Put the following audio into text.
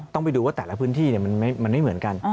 ต้องไปดูว่าแต่ละพื้นที่มันไม่เหมือนกัน